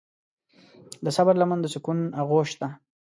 د صبر لمن د سکون آغوش ده.